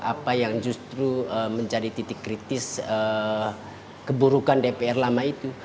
apa yang justru menjadi titik kritis keburukan dpr lama itu